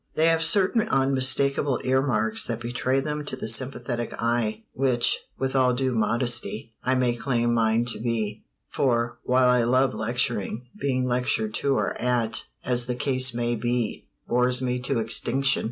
They have certain unmistakable earmarks that betray them to the sympathetic eye which, with all due modesty, I may claim mine to be; for, while I love lecturing, being lectured to or at, as the case may be, bores me to extinction.